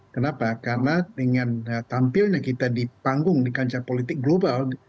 kenapa karena dengan tampilnya kita di panggung di kancah politik global